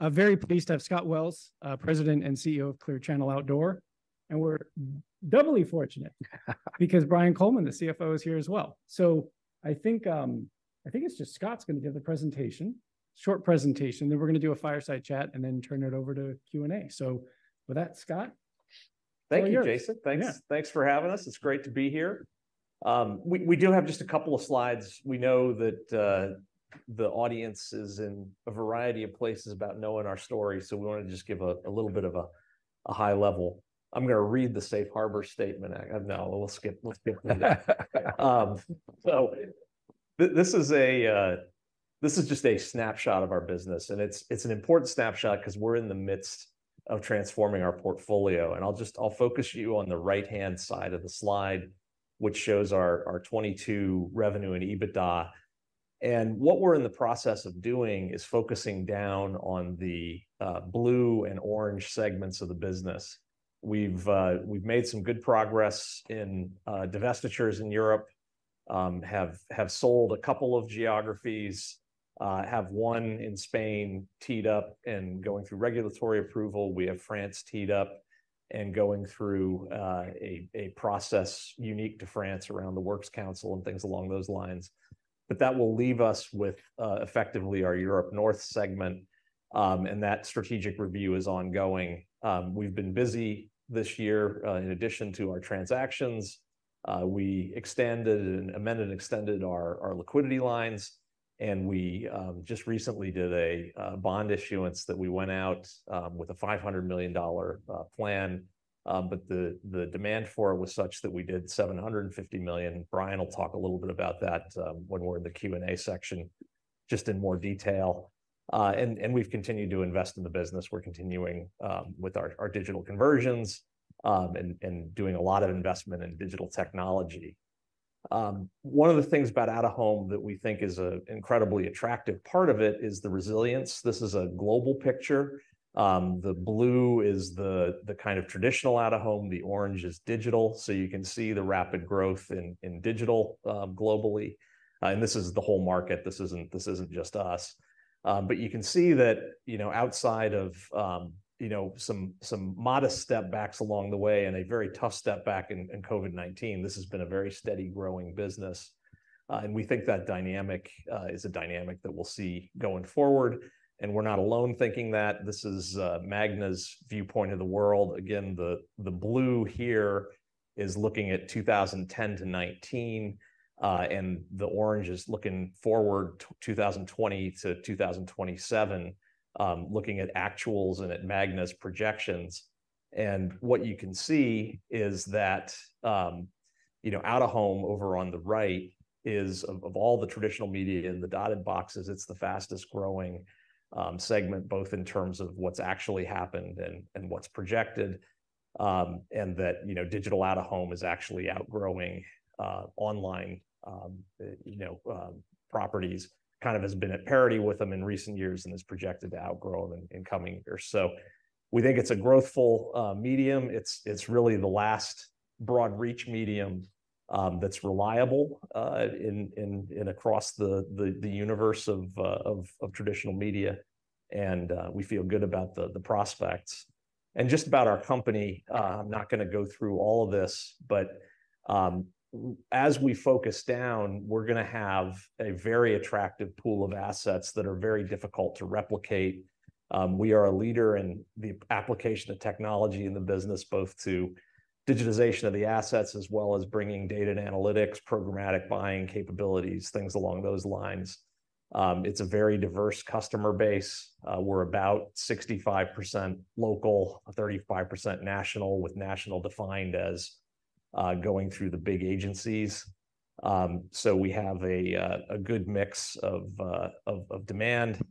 I'm very pleased to have Scott Wells, President and CEO of Clear Channel Outdoor, and we're doubly fortunate, because Brian Coleman, the CFO, is here as well. I think it's just Scott's gonna give the presentation, short presentation, then we're gonna do a fireside chat, and then turn it over to Q&A. With that, Scott, all yours. Thank you, Jason. Yeah. Thanks, thanks for having us. It's great to be here. We, we do have just a couple of slides. We know that, the audience is in a variety of places about knowing our story, so we wanna just give a little bit of a high level. I'm gonna read the safe harbor statement. No, we'll skip, let's skip through that. So this is a, this is just a snapshot of our business, and it's, it's an important snapshot 'cause we're in the midst of transforming our portfolio, and I'll just- I'll focus you on the right-hand side of the slide, which shows our 2022 revenue and EBITDA. And what we're in the process of doing is focusing down on the blue and orange segments of the business. We've made some good progress in divestitures in Europe, have sold a couple of geographies, have one in Spain teed up and going through regulatory approval. We have France teed up and going through a process unique to France around the Works Council and things along those lines. But that will leave us with effectively our Europe North segment, and that strategic review is ongoing. We've been busy this year. In addition to our transactions, we extended and amended and extended our liquidity lines, and we just recently did a bond issuance that we went out with a $500 million plan. But the demand for it was such that we did $750 million. Brian will talk a little bit about that, when we're in the Q&A section, just in more detail. And we've continued to invest in the business. We're continuing with our digital conversions, and doing a lot of investment in digital technology. One of the things about out-of-home that we think is an incredibly attractive part of it is the resilience. This is a global picture. The blue is the kind of traditional out-of-home, the orange is digital. So you can see the rapid growth in digital globally. And this is the whole market, this isn't just us. But you can see that, you know, outside of some modest step-backs along the way and a very tough step-back in COVID-19, this has been a very steady growing business. And we think that dynamic is a dynamic that we'll see going forward, and we're not alone thinking that. This is Magna's viewpoint of the world. Again, the blue here is looking at 2010 to 2019, and the orange is looking forward 2020 to 2027, looking at actuals and at Magna's projections. And what you can see is that, you know, out-of-home, over on the right, is of all the traditional media in the dotted boxes, it's the fastest growing segment, both in terms of what's actually happened and what's projected. And that, you know, digital out-of-home is actually outgrowing online, you know, properties. Kind of has been at parity with them in recent years and is projected to outgrow them in coming years. So we think it's a growthful medium. It's really the last broad reach medium that's reliable across the universe of traditional media, and we feel good about the prospects. Just about our company, I'm not gonna go through all of this, but as we focus down, we're gonna have a very attractive pool of assets that are very difficult to replicate. We are a leader in the application of technology in the business, both to digitization of the assets, as well as bringing data and analytics, programmatic buying capabilities, things along those lines. It's a very diverse customer base. We're about 65% local, 35% national, with national defined as going through the big agencies. So we have a good mix of demand.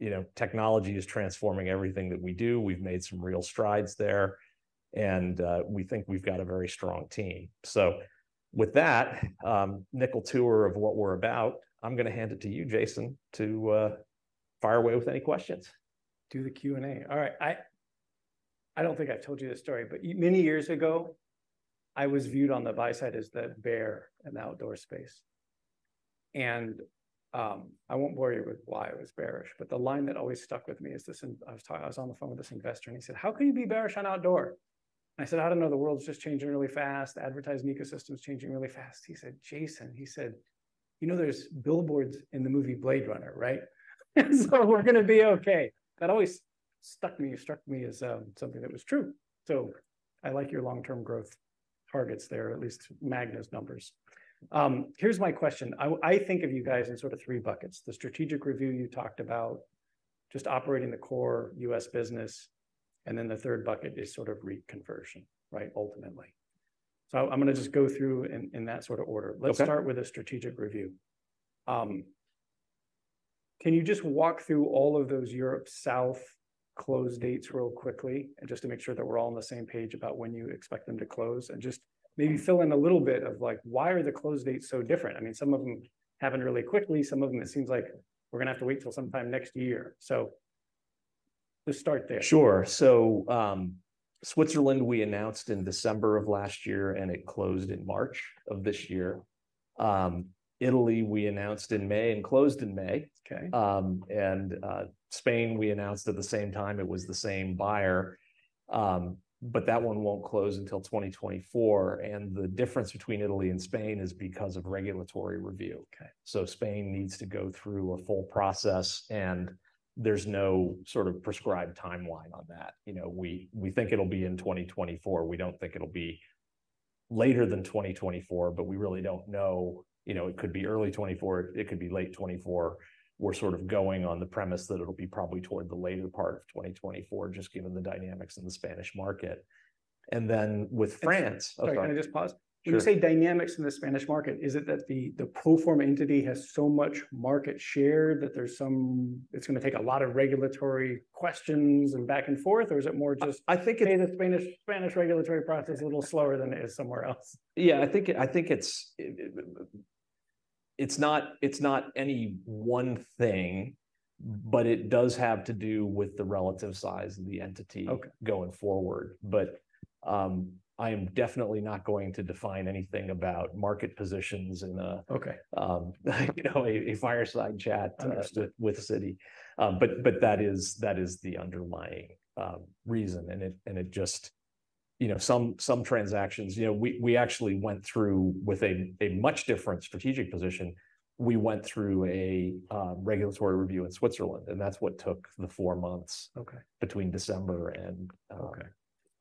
You know, technology is transforming everything that we do. We've made some real strides there, and we think we've got a very strong team. So with that, nickel tour of what we're about, I'm gonna hand it to you, Jason, to fire away with any questions. Do the Q&A. All right, I don't think I've told you this story, but many years ago, I was viewed on the buy side as the bear in the outdoor space. And, I won't bore you with why I was bearish, but the line that always stuck with me is this: I was on the phone with this investor, and he said: "How can you be bearish on outdoor?" I said, "I don't know. The world's just changing really fast. Advertising ecosystem is changing really fast." He said, "Jason," he said, "you know, there's billboards in the movie Blade Runner, right? So we're gonna be okay." That always stuck me, struck me as, something that was true. So I like your long-term growth targets there, at least Magna's numbers. Here's my question. I think of you guys in sort of three buckets: the strategic review you talked about, just operating the core U.S. business, and then the third bucket is sort of reconversion, right, ultimately. I'm gonna just go through in that sort of order. Okay. Let's start with the strategic review. Can you just walk through all of those Europe South close dates real quickly, and just to make sure that we're all on the same page about when you expect them to close? And just maybe fill in a little bit of, like, why are the close dates so different? I mean, some of them happened really quickly, some of them, it seems like we're gonna have to wait till sometime next year. So... Just start there. Sure. So, Switzerland we announced in December of last year, and it closed in March of this year. Italy, we announced in May and closed in May. Okay. And Spain, we announced at the same time, it was the same buyer, but that one won't close until 2024, and the difference between Italy and Spain is because of regulatory review. Okay. So Spain needs to go through a full process, and there's no sort of prescribed timeline on that. You know, we, we think it'll be in 2024. We don't think it'll be later than 2024, but we really don't know. You know, it could be early 2024, it could be late 2024. We're sort of going on the premise that it'll be probably toward the later part of 2024, just given the dynamics in the Spanish market. And then with France- Sorry, can I just pause? Sure. When you say dynamics in the Spanish market, is it that the pro forma entity has so much market share that there's some... It's gonna take a lot of regulatory questions and back and forth, or is it more just- I think it- say the Spanish regulatory process a little slower than it is somewhere else? Yeah, I think it's not any one thing, but it does have to do with the relative size of the entity- Okay... going forward. But, I am definitely not going to define anything about market positions in a- Okay... you know, a fireside chat- Understood... with Citi. But that is the underlying reason, and it just, you know, some transactions, you know, we actually went through with a much different strategic position. We went through regulatory review in Switzerland, and that's what took the 4 months- Okay... between December and, Okay...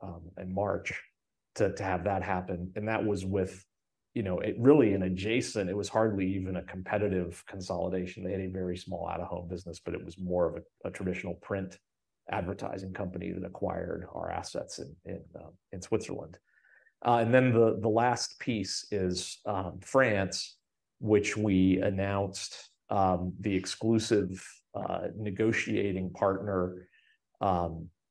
and March to have that happen, and that was with, you know, it really an adjacent, it was hardly even a competitive consolidation. They had a very small out-of-home business, but it was more of a traditional print advertising company that acquired our assets in Switzerland. And then the last piece is France, which we announced the exclusive negotiating partner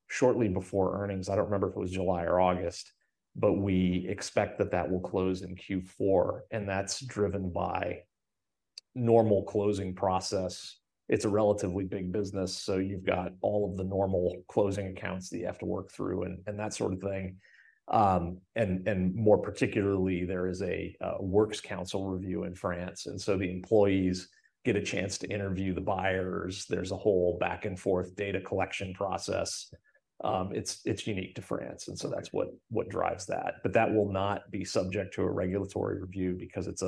shortly before earnings. I don't remember if it was July or August, but we expect that that will close in Q4, and that's driven by normal closing process. It's a relatively big business, so you've got all of the normal closing accounts that you have to work through and that sort of thing. And more particularly, there is a Works Council review in France, and so the employees get a chance to interview the buyers. There's a whole back-and-forth data collection process. It's unique to France, and so that's what drives that. But that will not be subject to a regulatory review because it's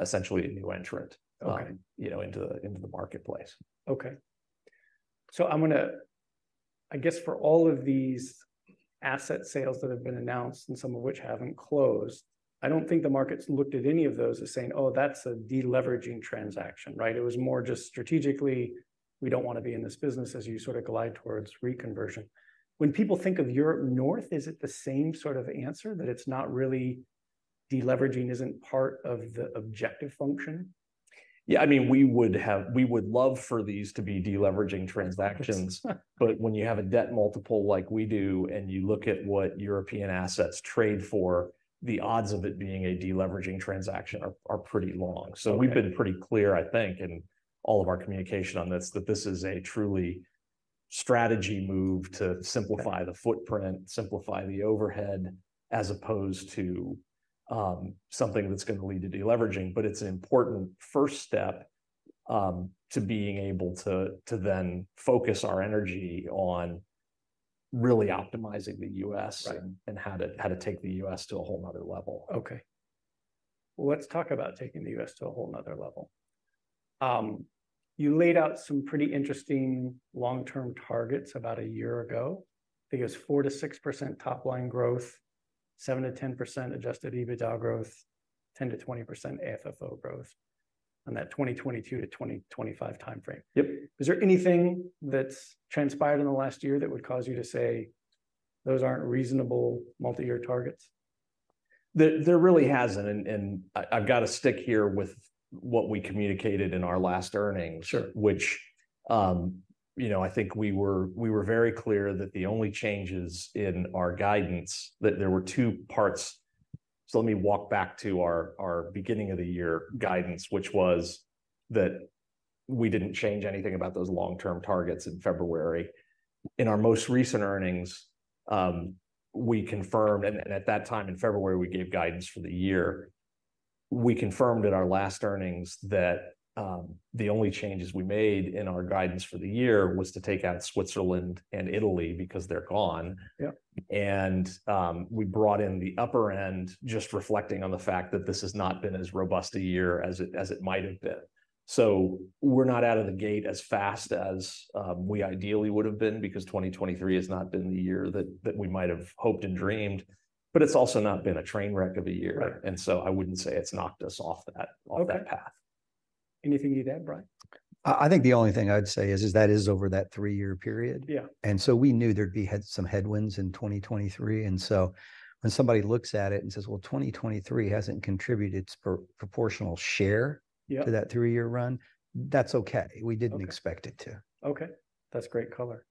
essentially a new entrant- Okay... you know, into the marketplace. Okay. So I'm gonna... I guess for all of these asset sales that have been announced, and some of which haven't closed, I don't think the market's looked at any of those as saying, "Oh, that's a de-leveraging transaction," right? It was more just strategically, we don't want to be in this business as you sort of glide towards reconversion. When people think of Europe North, is it the same sort of answer, that it's not really... De-leveraging isn't part of the objective function? Yeah, I mean, we would love for these to be de-leveraging transactions. But when you have a debt multiple like we do, and you look at what European assets trade for, the odds of it being a de-leveraging transaction are pretty long. Okay. We've been pretty clear, I think, in all of our communication on this, that this is a truly strategic move to simplify the footprint- Yeah... simplify the overhead, as opposed to, something that's gonna lead to de-leveraging. But it's an important first step, to being able to, to then focus our energy on really optimizing the U.S.- Right... and how to take the U.S. to a whole another level. Okay. Well, let's talk about taking the U.S. to a whole another level. You laid out some pretty interesting long-term targets about a year ago. I think it was 4%-6% top line growth, 7%-10% Adjusted EBITDA growth, 10%-20% AFFO growth on that 2022-2025 timeframe. Yep. Is there anything that's transpired in the last year that would cause you to say those aren't reasonable multi-year targets? There really hasn't, and I, I've got to stick here with what we communicated in our last earnings- Sure... which, you know, I think we were very clear that the only changes in our guidance, that there were two parts. So let me walk back to our beginning-of-the-year guidance, which was that we didn't change anything about those long-term targets in February. In our most recent earnings, we confirmed, and at that time in February, we gave guidance for the year. We confirmed at our last earnings that the only changes we made in our guidance for the year was to take out Switzerland and Italy because they're gone. Yep. We brought in the upper end, just reflecting on the fact that this has not been as robust a year as it might have been. So we're not out of the gate as fast as we ideally would've been, because 2023 has not been the year that we might have hoped and dreamed, but it's also not been a train wreck of a year. Right. I wouldn't say it's knocked us off that- Okay... off that path. Anything you'd add, Brian? I think the only thing I'd say is that is over that three-year period. Yeah. And so we knew there'd be some headwinds in 2023, and so when somebody looks at it and says, "Well, 2023 hasn't contributed its proportional share- Yeah... to that three-year run," that's okay. Okay. We didn't expect it to. Okay, that's great color.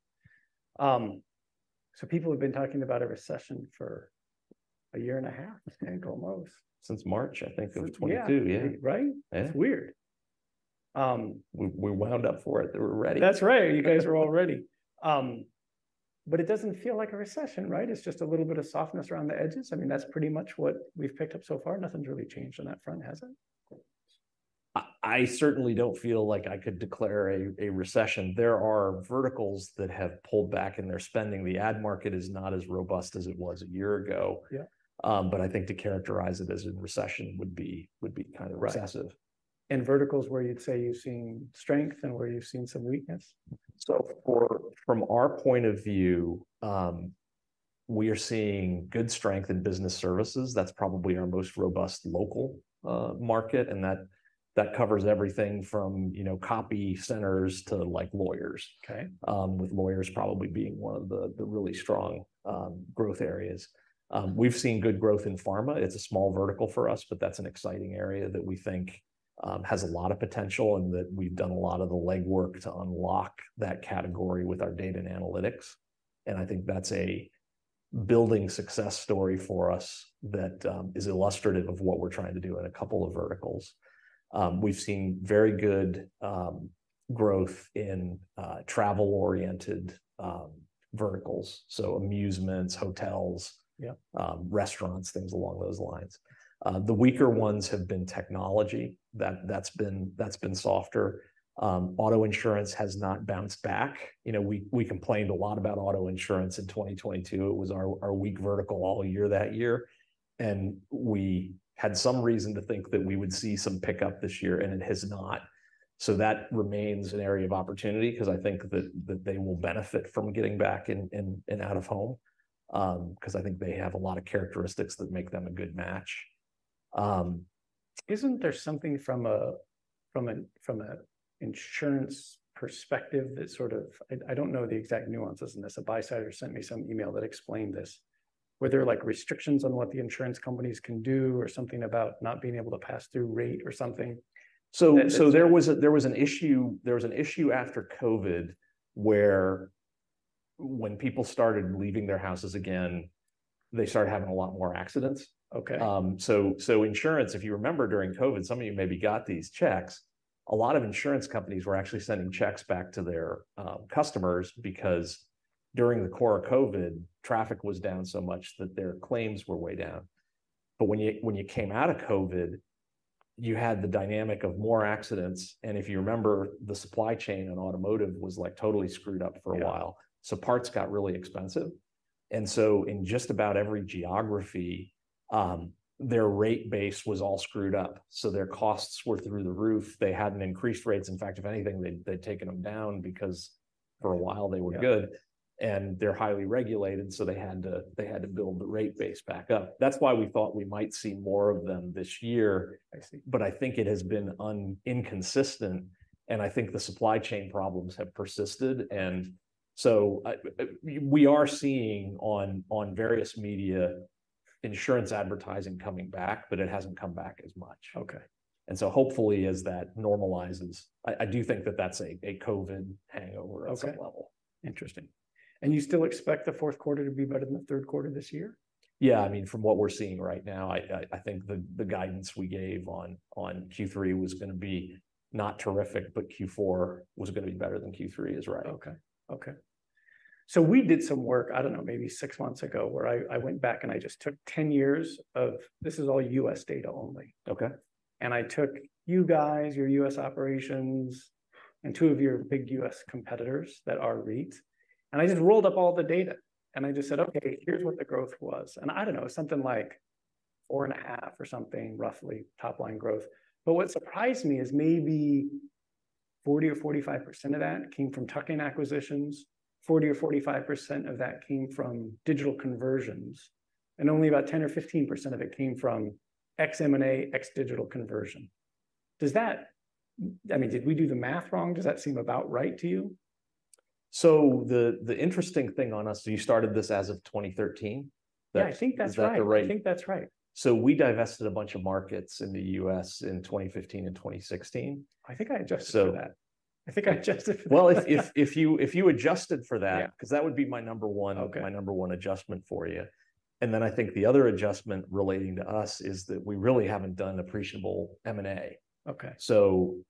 So people have been talking about a recession for a year and a half, I think, almost. Since March, I think, of 2022. Yeah. Yeah. Right? Yeah. It's weird. We wound up for it. We're ready. That's right, you guys are all ready. But it doesn't feel like a recession, right? It's just a little bit of softness around the edges. I mean, that's pretty much what we've picked up so far. Nothing's really changed on that front, has it? I certainly don't feel like I could declare a recession. There are verticals that have pulled back in their spending. The ad market is not as robust as it was a year ago. Yeah. But I think to characterize it as a recession would be kind of aggressive. Verticals where you'd say you've seen strength and where you've seen some weakness? So, from our point of view, we are seeing good strength in business services. That's probably our most robust local market, and that covers everything from, you know, copy centers to, like, lawyers- Okay... with lawyers probably being one of the really strong growth areas. We've seen good growth in pharma. It's a small vertical for us, but that's an exciting area that we think has a lot of potential, and that we've done a lot of the legwork to unlock that category with our data and analytics. And I think that's a building success story for us that is illustrative of what we're trying to do in a couple of verticals. We've seen very good growth in travel-oriented verticals. So amusements, hotels- Yeah... restaurants, things along those lines. The weaker ones have been technology. That's been softer. Auto insurance has not bounced back. You know, we complained a lot about auto insurance in 2022. It was our weak vertical all year that year, and we had some reason to think that we would see some pickup this year, and it has not. So that remains an area of opportunity, 'cause I think that they will benefit from getting back in out-of-home. 'cause I think they have a lot of characteristics that make them a good match. Isn't there something from an insurance perspective that sort of... I don't know the exact nuances in this. A buysider sent me some email that explained this. Were there, like, restrictions on what the insurance companies can do, or something about not being able to pass through rate or something? There was an issue after COVID, where when people started leaving their houses again, they started having a lot more accidents. Okay. So, insurance, if you remember during COVID, some of you maybe got these checks. A lot of insurance companies were actually sending checks back to their customers because during the core of COVID, traffic was down so much that their claims were way down. But when you came out of COVID, you had the dynamic of more accidents, and if you remember, the supply chain in automotive was, like, totally screwed up for a while. Yeah. Parts got really expensive, and so in just about every geography, their rate base was all screwed up. Their costs were through the roof. They hadn't increased rates. In fact, if anything, they'd taken them down because for a while they were good. Yeah. They're highly regulated, so they had to, they had to build the rate base back up. That's why we thought we might see more of them this year. I see. But I think it has been inconsistent, and I think the supply chain problems have persisted, and so we are seeing on various media, insurance advertising coming back, but it hasn't come back as much. Okay. And so hopefully as that normalizes, I do think that that's a COVID hangover- Okay... of some level. Interesting. You still expect the fourth quarter to be better than the third quarter this year? Yeah, I mean, from what we're seeing right now, I think the guidance we gave on Q3 was gonna be not terrific, but Q4 was gonna be better than Q3 is right. Okay. Okay. So we did some work, I don't know, maybe six months ago, where I, I went back and I just took 10 years of... This is all U.S. data only. Okay. I took you guys, your U.S. operations, and two of your big U.S. competitors that are REITs, and I just rolled up all the data. I just said, "Okay, here's what the growth was." I don't know, something like 4.5 or something, roughly, top-line growth. What surprised me is maybe 40%-45% of that came from tuck-in acquisitions, 40%-45% of that came from digital conversions, and only about 10%-15% of it came from ex M&A, ex digital conversion. Does that— I mean, did we do the math wrong? Does that seem about right to you? So the interesting thing on us, so you started this as of 2013? That- Yeah, I think that's right. Is that the right- I think that's right. We divested a bunch of markets in the U.S. in 2015 and 2016. I think I adjusted for that. So- I think I adjusted for that. Well, if you adjusted for that- Yeah... 'cause that would be my number one- Okay... my number one adjustment for you. And then I think the other adjustment relating to us is that we really haven't done appreciable M&A. Okay.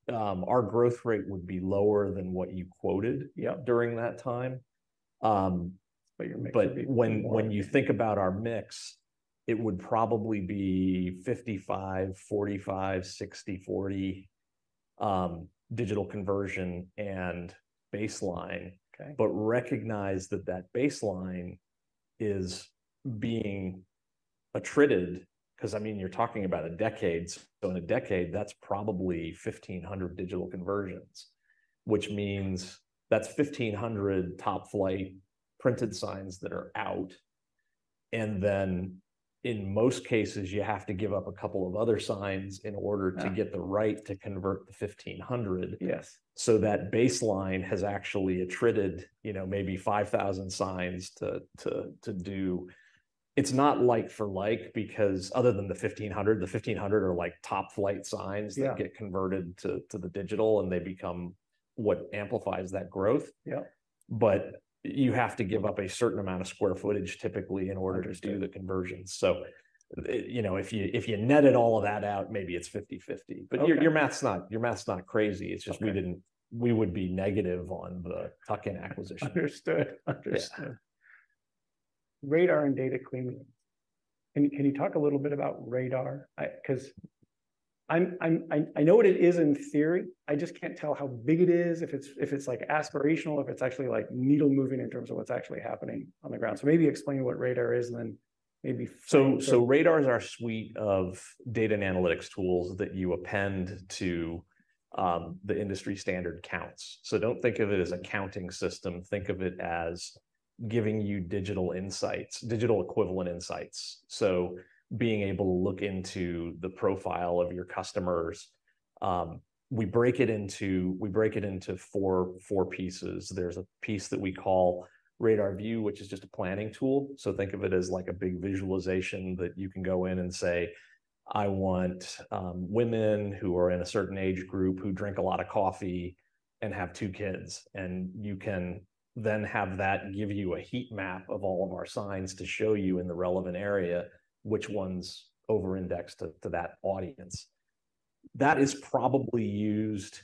Our growth rate would be lower than what you quoted- Yep... during that time. But your mix would be more- But when you think about our mix, it would probably be 55/45, 60/40, digital conversion and baseline. Okay. But recognize that that baseline is being attrited, 'cause, I mean, you're talking about a decade. So in a decade, that's probably 1,500 digital conversions, which means that's 1,500 top-flight printed signs that are out, and then in most cases, you have to give up a couple of other signs in order- Yeah... to get the right to convert the 1,500. Yes. So that baseline has actually attrited, you know, maybe 5,000 signs to do. It's not like for like, because other than the 1,500, the 1,500 are, like, top-flight signs- Yeah... that get converted to the digital, and they become what amplifies that growth. Yep. You have to give up a certain amount of square footage typically in order- Understood... to do the conversion. So, you know, if you netted all of that out, maybe it's 50/50. Okay. But your math's not crazy. Okay. It's just we would be negative on the tuck-in acquisition. Understood. Understood. Yeah. RADAR and data clean rooms. Can you talk a little bit about RADAR? 'Cause I'm, I know what it is in theory, I just can't tell how big it is, if it's like aspirational, if it's actually like needle moving in terms of what's actually happening on the ground. So maybe explain what RADAR is and then maybe- So RADAR is our suite of data and analytics tools that you append to the industry standard counts. So don't think of it as a counting system, think of it as giving you digital insights, digital equivalent insights. So being able to look into the profile of your customers. We break it into four pieces. There's a piece that we call RADARView, which is just a planning tool. So think of it as like a big visualization that you can go in and say, "I want women who are in a certain age group, who drink a lot of coffee, and have two kids," and you can then have that give you a heat map of all of our signs to show you in the relevant area, which ones over-index to that audience. That is probably used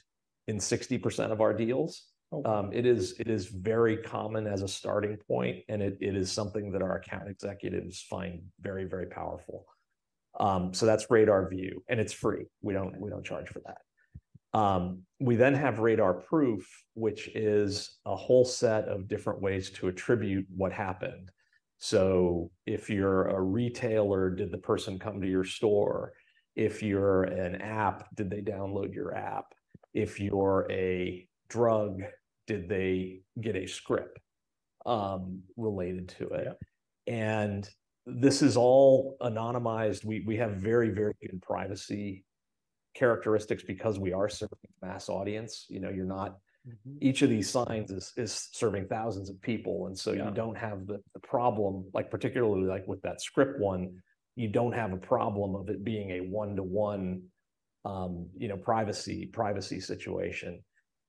in 60% of our deals. Oh! It is very common as a starting point, and it is something that our account executives find very, very powerful. So that's RADARView, and it's free. We don't charge for that. We then have RADARProof, which is a whole set of different ways to attribute what happened. So if you're a retailer, did the person come to your store? If you're an app, did they download your app? If you're a drug, did they get a script related to it? Yeah. This is all anonymized. We have very, very good privacy characteristics because we are serving mass audience. You know, you're not- Mm-hmm. Each of these signs is serving thousands of people, and so- Yeah... you don't have the problem, like particularly like with that script one, you don't have a problem of it being a one-to-one, you know, privacy situation.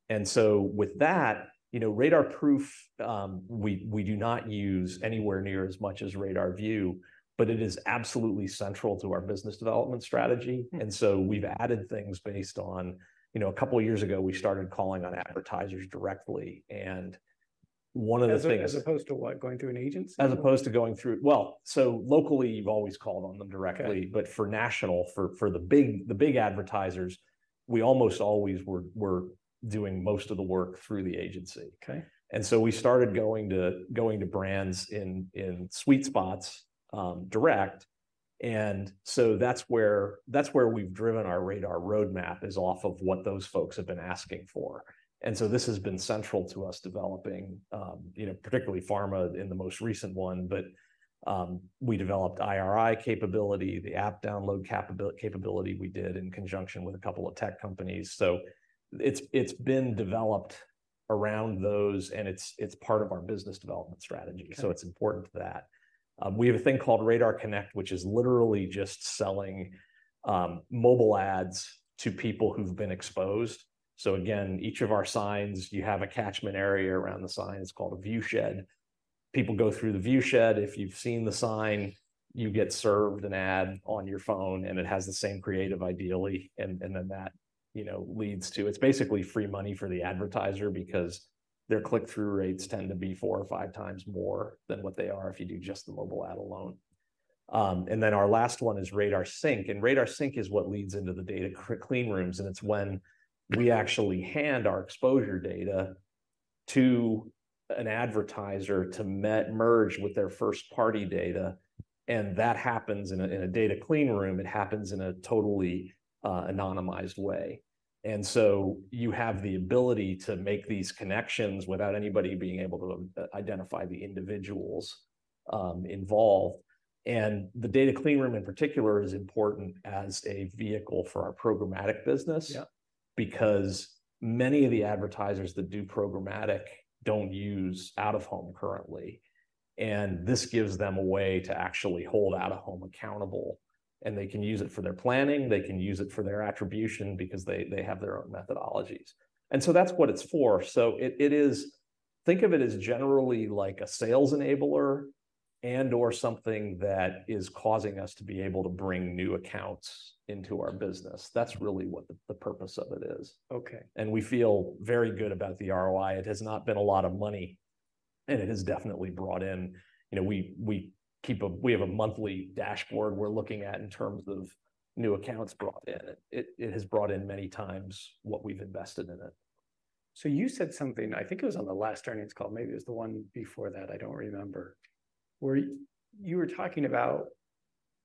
And so with that, you know, RADARProof, we do not use anywhere near as much as RADARView, but it is absolutely central to our business development strategy. Mm. So we've added things based on... You know, a couple of years ago, we started calling on advertisers directly, and one of the things- As opposed to what? Going through an agency? As opposed to going through... Well, so locally, you've always called on them directly. Okay. But for national, for the big advertisers, we almost always were doing most of the work through the agency. Okay. We started going to brands in sweet spots, direct, and so that's where we've driven our RADAR roadmap, is off of what those folks have been asking for. And so this has been central to us developing, you know, particularly pharma in the most recent one, but we developed IRI capability, the app download capability we did in conjunction with a couple of tech companies. So it's been developed around those, and it's part of our business development strategy. Okay. So it's important to that. We have a thing called RADARConnect, which is literally just selling mobile ads to people who've been exposed. So again, each of our signs, you have a catchment area around the sign. It's called a viewshed. People go through the viewshed. If you've seen the sign, you get served an ad on your phone, and it has the same creative, ideally, and then that, you know, leads to... It's basically free money for the advertiser because their click-through rates tend to be four or five times more than what they are if you do just the mobile ad alone. And then our last one is RADARSync, and RADARSync is what leads into the data clean rooms, and it's when we actually hand our exposure data to an advertiser to merge with their first-party data, and that happens in a, in a data clean room. It happens in a totally anonymized way. And so you have the ability to make these connections without anybody being able to identify the individuals involved. And the data clean room in particular is important as a vehicle for our programmatic business- Yeah... because many of the advertisers that do programmatic don't use out-of-home currently, and this gives them a way to actually hold out-of-home accountable, and they can use it for their planning, they can use it for their attribution because they, they have their own methodologies. And so that's what it's for. So it, it is - think of it as generally like a sales enabler and/or something that is causing us to be able to bring new accounts into our business. That's really what the, the purpose of it is. Okay. We feel very good about the ROI. It has not been a lot of money, and it has definitely brought in... You know, we have a monthly dashboard we're looking at in terms of new accounts brought in. It has brought in many times what we've invested in it. You said something, I think it was on the last earnings call, maybe it was the one before that, I don't remember, where you were talking about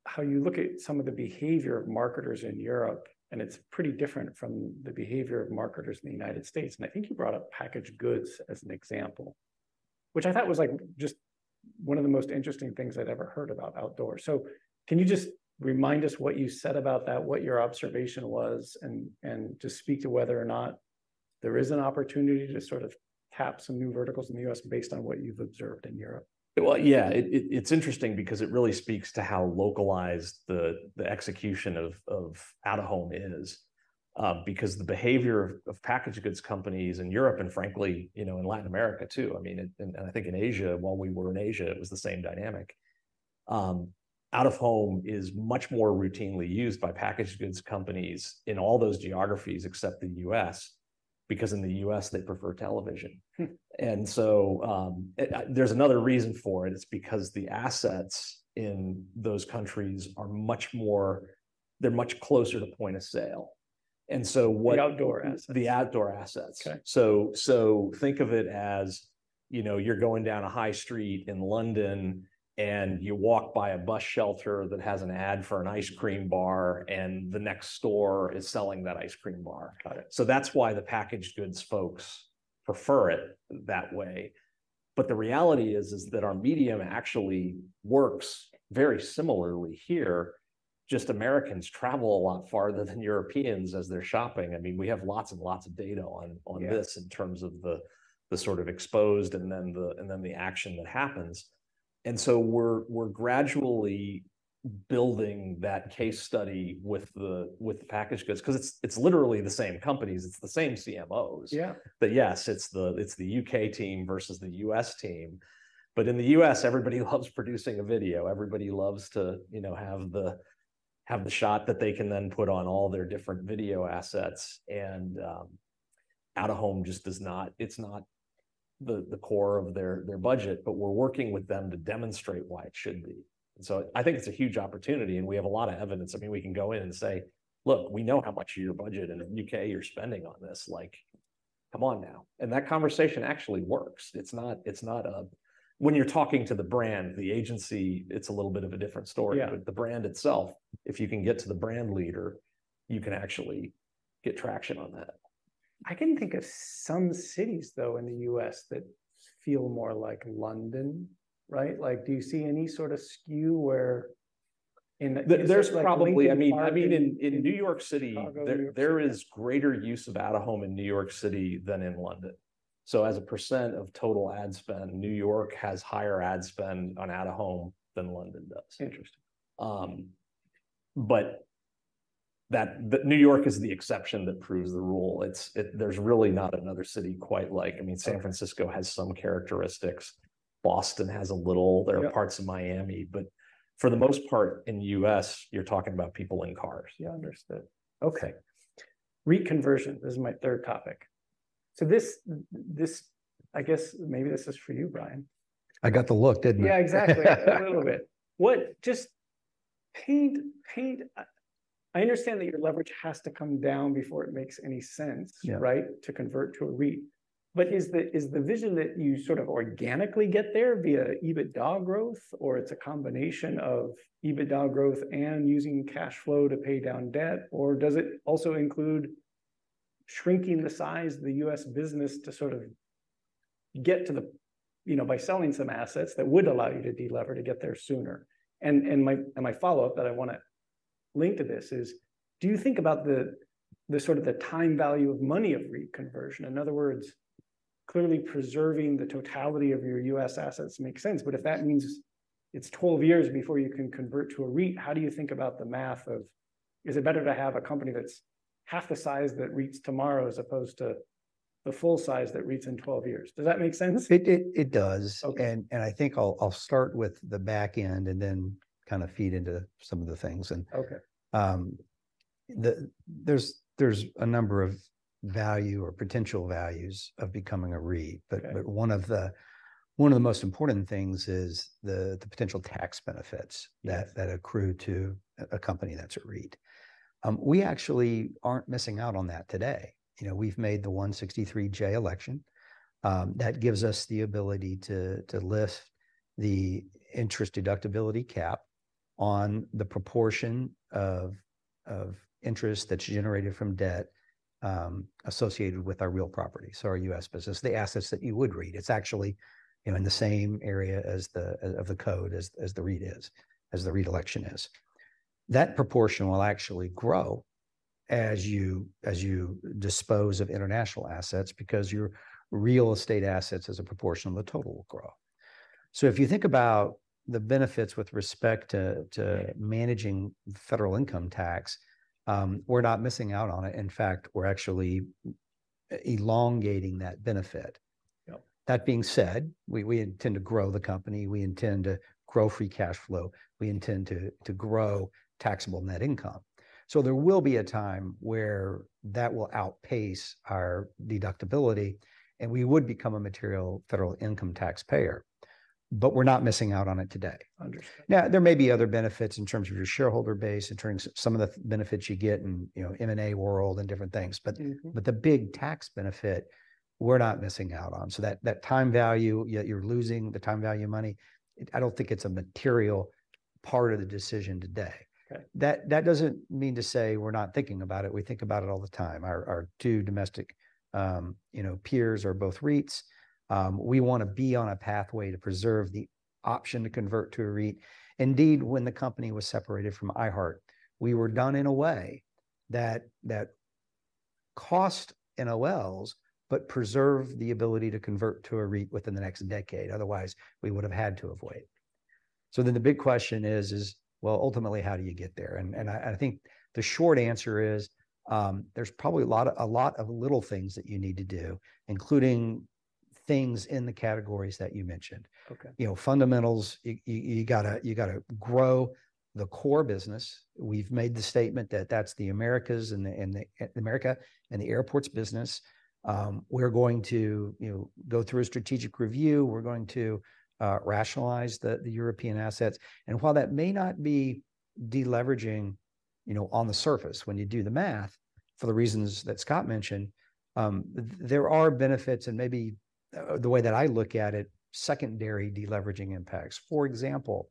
how you look at some of the behavior of marketers in Europe, and it's pretty different from the behavior of marketers in the United States. I think you brought up packaged goods as an example, which I thought was like, just one of the most interesting things I'd ever heard about outdoors. Can you just remind us what you said about that, what your observation was, and just speak to whether or not there is an opportunity to sort of tap some new verticals in the U.S. based on what you've observed in Europe? Well, yeah. It's interesting because it really speaks to how localized the execution of out-of-home is. Because the behavior of packaged goods companies in Europe and frankly, you know, in Latin America, too, I mean, and I think in Asia, while we were in Asia, it was the same dynamic. Out-of-home is much more routinely used by packaged goods companies in all those geographies except the U.S., because in the U.S., they prefer television. Hmm. And so, there's another reason for it. It's because the assets in those countries are much more. They're much closer to point of sale. And so what- The outdoor assets. The outdoor assets. Okay. So, so think of it as, you know, you're going down a high street in London, and you walk by a bus shelter that has an ad for an ice cream bar, and the next store is selling that ice cream bar. Got it. So that's why the packaged goods folks prefer it that way. But the reality is that our medium actually works very similarly here, just Americans travel a lot farther than Europeans as they're shopping. I mean, we have lots and lots of data on this- Yeah... in terms of the sort of exposed and then the action that happens. And so we're gradually building that case study with the packaged goods, 'cause it's literally the same companies, it's the same CMOs. Yeah. But yes, it's the, it's the U.K. team versus the U.S. team. But in the U.S., everybody loves producing a video. Everybody loves to, you know, have the, have the shot that they can then put on all their different video assets and out-of-home just does not, it's not the, the core of their, their budget, but we're working with them to demonstrate why it should be. So I think it's a huge opportunity, and we have a lot of evidence. I mean, we can go in and say, "Look, we know how much of your budget in the U.K. you're spending on this. Like, come on now." And that conversation actually works. It's not, it's not a... When you're talking to the brand, the agency, it's a little bit of a different story. Yeah. But the brand itself, if you can get to the brand leader, you can actually get traction on that. I can think of some cities, though, in the U.S. that feel more like London, right? Like, do you see any sort of skew where in- There's probably- Like Lincoln Park- I mean, in New York City- Chicago, New York ...there, there is greater use of out-of-home in New York City than in London. As a percent of total ad spend, New York has higher ad spend on out-of-home than London does. Interesting. But that, the New York is the exception that proves the rule. It's, there's really not another city quite like... I mean, San Francisco has some characteristics, Boston has a little- Yeah... there are parts of Miami, but for the most part, in the U.S., you're talking about people in cars. Yeah, understood. Okay. Reconversion, this is my third topic. So this, I guess maybe this is for you, Brian. I got the look, didn't I? Yeah, exactly. A little bit. What—just paint... I understand that your leverage has to come down before it makes any sense- Yeah... right, to convert to a REIT. But is the vision that you sort of organically get there via EBITDA growth, or it's a combination of EBITDA growth and using cash flow to pay down debt? Or does it also include shrinking the size of the U.S. business to sort of get to the, you know, by selling some assets that would allow you to de-lever to get there sooner? And my follow-up that I wanna link to this is: Do you think about the sort of time value of money of REIT conversion? In other words, clearly preserving the totality of your U.S. assets makes sense, but if that means it's 12 years before you can convert to a REIT, how do you think about the math of, is it better to have a company that's half the size that REITs tomorrow, as opposed to the full size that REITs in 12 years? Does that make sense? It does. Okay. I think I'll start with the back end and then kind of feed into some of the things and- Okay. There's a number of value or potential values of becoming a REIT. Okay. But one of the most important things is the potential tax benefits- Yeah... that accrue to a company that's a REIT. We actually aren't missing out on that today. You know, we've made the 163(j) election, that gives us the ability to lift the interest deductibility cap on the proportion of interest that's generated from debt associated with our real property. So our U.S. business, the assets that you would REIT, it's actually, you know, in the same area as the REIT election is. That proportion will actually grow as you dispose of international assets, because your real estate assets as a proportion of the total will grow. So if you think about the benefits with respect to, to- Yeah... managing federal income tax, we're not missing out on it. In fact, we're actually elongating that benefit. Yep. That being said, we intend to grow the company, we intend to grow free cash flow, we intend to grow taxable net income. So there will be a time where that will outpace our deductibility, and we would become a material federal income taxpayer, but we're not missing out on it today. Understood. Now, there may be other benefits in terms of your shareholder base, in terms of some of the benefits you get in, you know, M&A world and different things. Mm-hmm. But, but the big tax benefit, we're not missing out on. So that, that time value, yeah, you're losing the time value of money. I don't think it's a material part of the decision today. Okay. That, that doesn't mean to say we're not thinking about it. We think about it all the time. Our, our two domestic, you know, peers are both REITs. We wanna be on a pathway to preserve the option to convert to a REIT. Indeed, when the company was separated from iHeart, we were done in a way that, that cost NOLs, but preserved the ability to convert to a REIT within the next decade. Otherwise, we would have had to avoid.... So then the big question is, is, well, ultimately, how do you get there? And, and I, I think the short answer is, there's probably a lot of, a lot of little things that you need to do, including things in the categories that you mentioned. Okay. You know, fundamentals, you gotta grow the core business. We've made the statement that that's the Americas and the airports business. We're going to, you know, go through a strategic review. We're going to rationalize the European assets. And while that may not be de-leveraging, you know, on the surface, when you do the math, for the reasons that Scott mentioned, there are benefits, and maybe, the way that I look at it, secondary de-leveraging impacts. For example,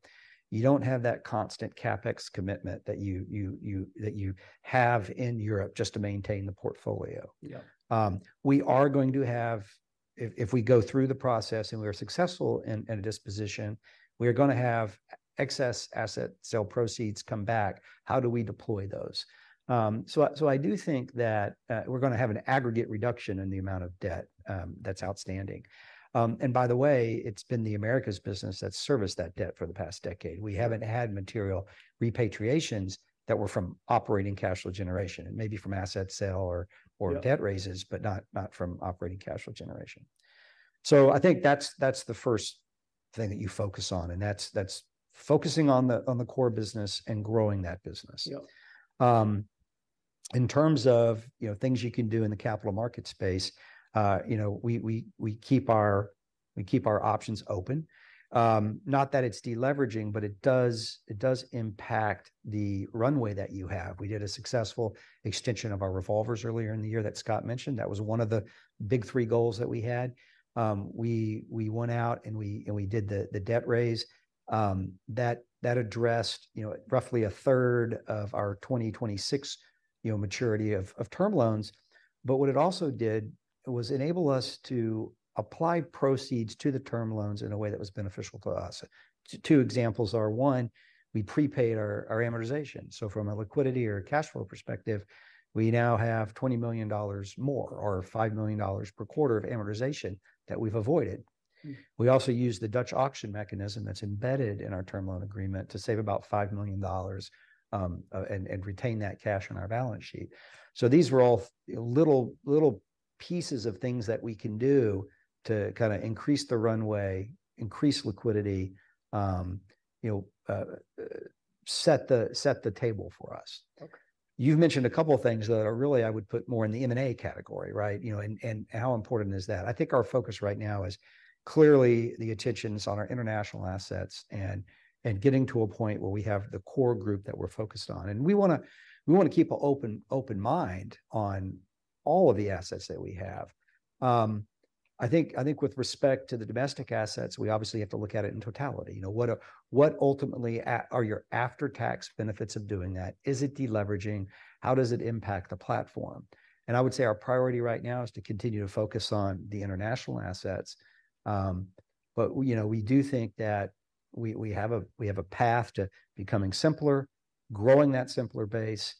you don't have that constant CapEx commitment that you have in Europe just to maintain the portfolio. Yeah. We are going to have... If we go through the process and we are successful in a disposition, we are gonna have excess asset sale proceeds come back. How do we deploy those? So I do think that we're gonna have an aggregate reduction in the amount of debt that's outstanding. And by the way, it's been the Americas business that's serviced that debt for the past decade. We haven't had material repatriations that were from operating cash flow generation and maybe from asset sale or- Yeah... or debt raises, but not, not from operating cash flow generation. So I think that's, that's the first thing that you focus on, and that's, that's focusing on the, on the core business and growing that business. Yeah. In terms of, you know, things you can do in the capital market space, you know, we keep our options open. Not that it's de-leveraging, but it does impact the runway that you have. We did a successful extension of our revolvers earlier in the year that Scott mentioned. That was one of the big three goals that we had. We went out, and we did the debt raise. That addressed, you know, roughly a third of our 2026 maturity of term loans. But what it also did was enable us to apply proceeds to the term loans in a way that was beneficial to us. Two examples are, one, we prepaid our amortization. So from a liquidity or a cash flow perspective, we now have $20 million more, or $5 million per quarter of amortization that we've avoided. Mm. We also used the Dutch auction mechanism that's embedded in our term loan agreement to save about $5 million, and retain that cash on our balance sheet. So these were all little pieces of things that we can do to kind of increase the runway, increase liquidity, you know, set the table for us. Okay. You've mentioned a couple of things that are really, I would put more in the M&A category, right? You know, and how important is that? I think our focus right now is clearly the attention on our international assets and getting to a point where we have the core group that we're focused on. And we wanna keep an open mind on all of the assets that we have. I think with respect to the domestic assets, we obviously have to look at it in totality. You know, what ultimately are your after-tax benefits of doing that? Is it de-leveraging? How does it impact the platform? And I would say our priority right now is to continue to focus on the international assets. but, you know, we do think that we, we have a, we have a path to becoming simpler, growing that simpler base,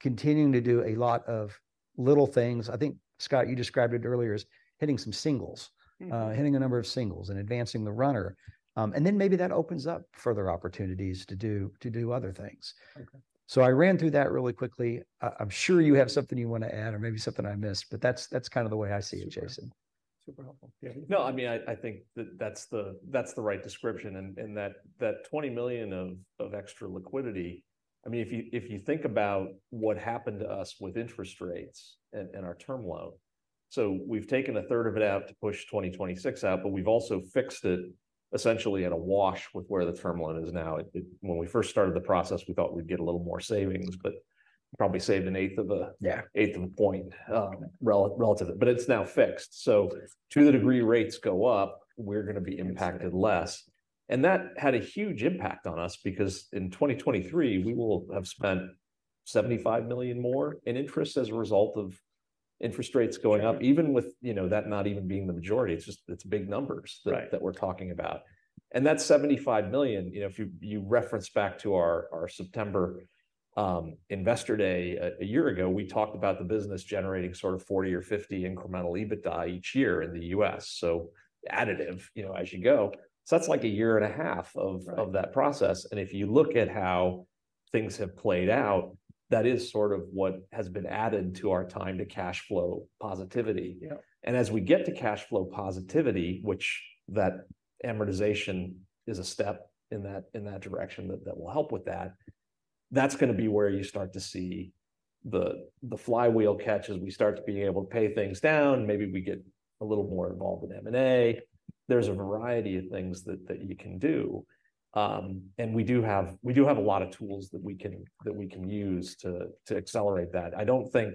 continuing to do a lot of little things. I think, Scott, you described it earlier as hitting some singles- Mm.... hitting a number of singles and advancing the runner. And then maybe that opens up further opportunities to do other things. Okay. I ran through that really quickly. I, I'm sure you have something you want to add or maybe something I missed, but that's, that's kind of the way I see it, Jason. Super. Super helpful. Yeah. No, I mean, I think that that's the right description, and that $20 million of extra liquidity. I mean, if you think about what happened to us with interest rates and our term loan, so we've taken a third of it out to push 2026 out, but we've also fixed it essentially at a wash with where the term loan is now. It, when we first started the process, we thought we'd get a little more savings, but probably saved an eighth of a- Yeah... 1/8 of a point, relative, but it's now fixed. So to the degree rates go up, we're gonna be impacted less. And that had a huge impact on us because in 2023, we will have spent $75 million more in interest as a result of interest rates going up. Yeah... even with, you know, that not even being the majority. It's just, it's big numbers- Right... that we're talking about. And that $75 million, you know, if you reference back to our September Investor Day a year ago, we talked about the business generating sort of 40 or 50 incremental EBITDA each year in the U.S., so additive, you know, as you go. So that's like a year and a half of- Right... of that process, and if you look at how things have played out, that is sort of what has been added to our time to cash flow positivity. Yeah. And as we get to cash flow positivity, which that amortization is a step in that, in that direction that, that will help with that, that's gonna be where you start to see the, the flywheel catch as we start being able to pay things down. Maybe we get a little more involved in M&A. There's a variety of things that, that you can do. And we do have, we do have a lot of tools that we can, that we can use to, to accelerate that. I don't think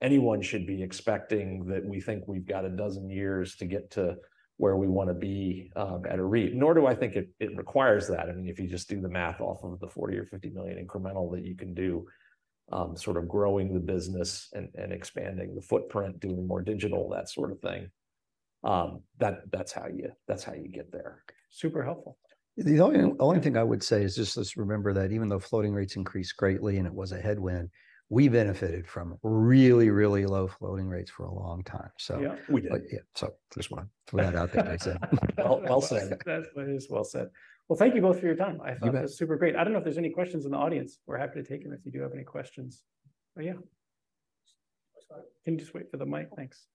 anyone should be expecting that we think we've got a dozen years to get to where we wanna be, at a REIT, nor do I think it, it requires that. I mean, if you just do the math off of the $40 or $50 million incremental that you can do, sort of growing the business and expanding the footprint, doing more digital, that sort of thing, that's how you get there. Super helpful. The only, only thing I would say is just let's remember that even though floating rates increased greatly and it was a headwind, we benefited from really, really low floating rates for a long time, so- Yeah, we did. Yeah, so just wanna throw that out there, I'd say. Well, well said. That's what it is. Well said. Well, thank you both for your time. You bet. I thought that was super great. I don't know if there's any questions in the audience? We're happy to take them if you do have any questions. Oh, yeah. Sorry. Can you just wait for the mic? Thanks.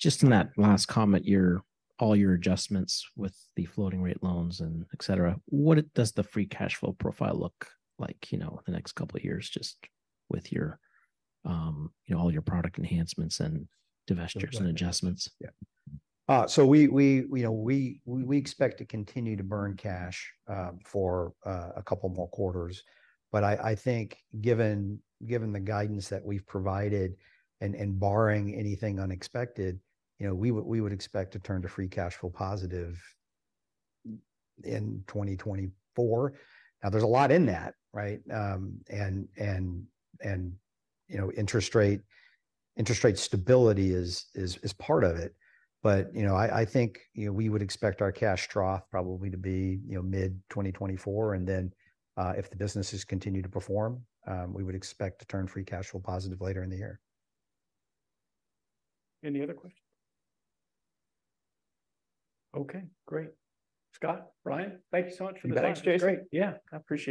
Just in that last comment, your all your adjustments with the floating rate loans and et cetera, what does the free cash flow profile look like, you know, in the next couple of years, just with your, you know, all your product enhancements and divestitures and adjustments? Yeah. So we, you know, we expect to continue to burn cash for a couple more quarters. But I think given the guidance that we've provided, and barring anything unexpected, you know, we would expect to turn to free cash flow positive in 2024. Now, there's a lot in that, right? And you know, interest rate stability is part of it. But, you know, I think, you know, we would expect our cash trough probably to be, you know, mid-2024, and then, if the businesses continue to perform, we would expect to turn free cash flow positive later in the year. Any other questions? Okay, great. Scott, Brian, thank you so much for the time. Thanks, Jason. Great. Yeah, I appreciate it.